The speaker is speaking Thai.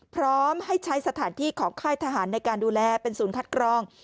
พร้อมให้ใช้สถานที่ของค่ายทหารในการดูแลเป็นศูนย์คัดกรอง